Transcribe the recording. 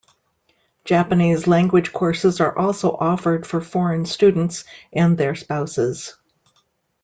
Japanese language courses are also offered for foreign students and their spouses.